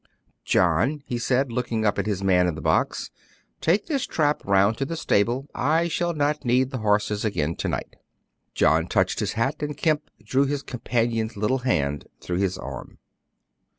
"John," he said, looking up at his man in the box, "take this trap round to the stable; I shall not need the horses again to night." John touched his hat, and Kemp drew his companion's little hand through his arm.